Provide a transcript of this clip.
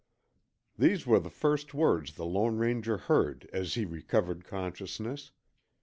These were the first words the Lone Ranger heard as he recovered consciousness.